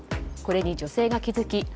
これに女性が気付き